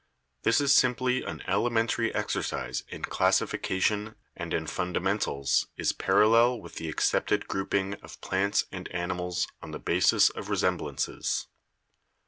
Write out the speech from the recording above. This is simply an elementary exercise in classifi cation and in fundamentals is parallel with the accepted grouping of plants and animals on the basis of resem blances.